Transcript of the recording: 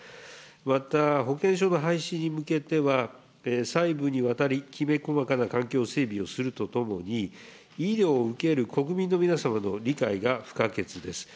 また、保険証の廃止に向けては、細部にわたりきめ細かな環境整備をするとともに、医療を受ける国民の皆様の理解が不可欠です。